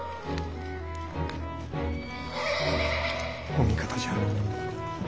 ・お味方じゃ。